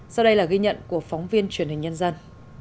sau đây là ghi nhận của phóng viên truyền hình nhân dân